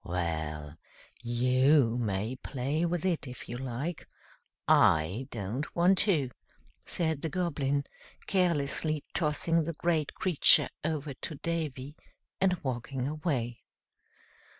"Well, you may play with it if you like. I don't want to," said the Goblin, carelessly tossing the great creature over to Davy, and walking away.